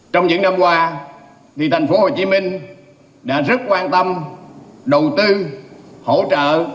trong những năm qua thành phố hồ chí minh đã rất quan tâm đầu tư hỗ trợ